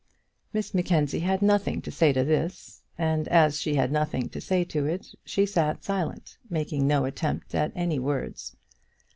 Miss Mackenzie had nothing to say to this; and as she had nothing to say to it she sat silent, making no attempt at any words.